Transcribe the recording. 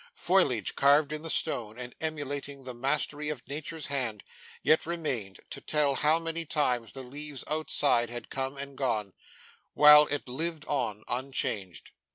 Foliage carved in the stone, and emulating the mastery of Nature's hand, yet remained to tell how many times the leaves outside had come and gone, while it lived on unchanged.